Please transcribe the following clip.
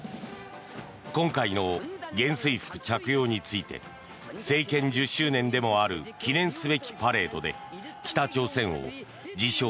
今回の元帥服着用について政権１０周年でもある記念すべきパレードで北朝鮮を自称